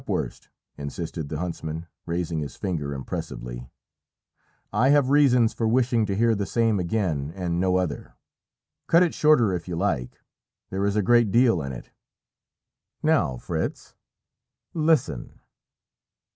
"Knapwurst," insisted the huntsman, raising his finger impressively, "I have reasons for wishing to hear the same again and no other. Cut it shorter if you like. There is a great deal in it. Now, Fritz, listen!"